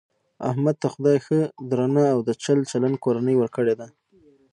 احمد ته خدای ښه درنه او د چل چلن کورنۍ ورکړې ده .